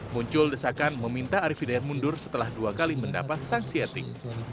muncul desakan meminta arief hidayat mundur setelah dua kali mendapat sanksi etik